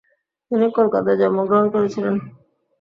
তিনি কলকাতায় জন্মগ্রহণ করেছিলেন ।